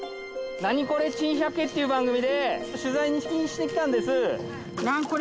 『ナニコレ珍百景』っていう番組で取材で聞きに来たんです。